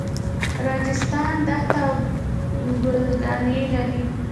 راجستان دښته او کلاګانې لري.